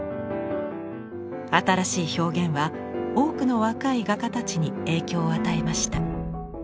新しい表現は多くの若い画家たちに影響を与えました。